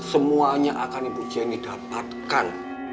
semuanya akan ibu jenny dapatkan